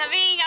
ya ada pingsan